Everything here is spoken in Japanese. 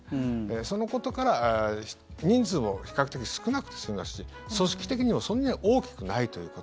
そのことから人数も比較的少なくて済みますし組織的にもそんなに大きくないということ。